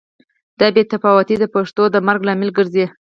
دا بې تفاوتي د پښتو د مرګ لامل ګرځي.